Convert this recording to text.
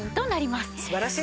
素晴らしい！